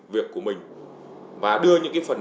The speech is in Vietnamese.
việc của mình và đưa những phần